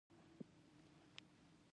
که ده هر څه ویل هغه به اورې.